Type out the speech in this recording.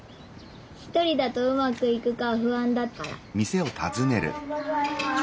ひとりだとうまくいくかふあんだからおはようございます。